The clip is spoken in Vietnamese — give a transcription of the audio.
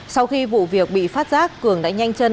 sau khi vụ việc bị phát giác cường đã nhanh chân